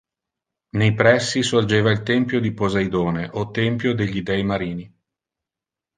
Nei pressi sorgeva il tempio di Poseidone o "tempio degli Dei Marini".